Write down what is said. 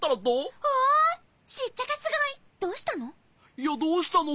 いや「どうしたの？」